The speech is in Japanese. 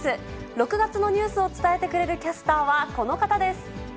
６月のニュースを伝えてくれるキャスターはこの方です。